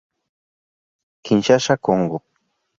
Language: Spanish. Kinshasa, Congo.